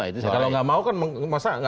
kalau nggak mau kan masa nggak dipaksa